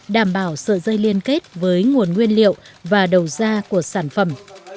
đảm bảo sợi dây liên kết với nguồn nguyên liệu và đầu ra của sản phẩm